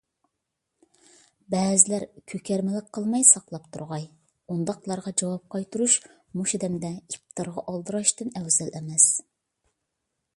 بەزىلەر كۆكەرمىلىك قىلماي ساقلاپ تۇرغاي. ئۇنداقلارغا جاۋاب قايتۇرۇش مۇشۇ دەمدە ئىپتارغا ئالدىراشتىن ئەۋزەل ئەمەس.